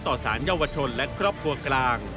ต่อสารเยาวชนและครอบครัวกลาง